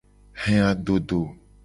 He adodo.